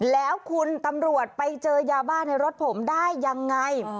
แล้วคุณตำรวจไปเจอยาบ้าในรถผมได้ยังไง